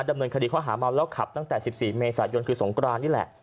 ดำเมินคดีเขาหามาแล้วขับตั้งแต่สิบสี่เมษายนคือสงกรานี่แหละ